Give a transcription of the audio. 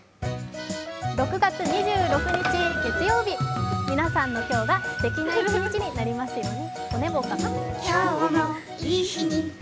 ６月２６日月曜日、皆さんの今日がすてきな一日になりますように。